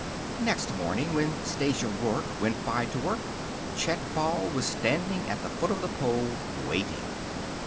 Next morning, when Stasia Rourke went by to work, Chet Ball was standing at the foot of the pole, waiting.